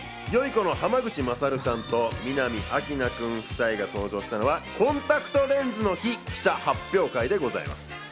この濱口優さんと南明奈さん夫妻が登場したのはコンタクトレンズの日、記者発表会でございます。